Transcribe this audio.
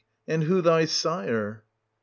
— and who thy sire ?